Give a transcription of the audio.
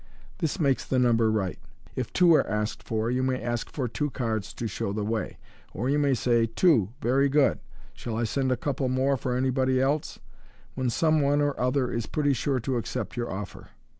This makes the number right. Ii "two" are asked for, you may ask for two cards to show the way; or yon may say, w Two, very good ! Shall I send a couple more for anybody else ?" when some one or other is pretty sure to accept your offer.